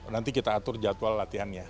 nanti kita atur jadwal latihannya